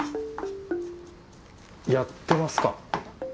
やってますか？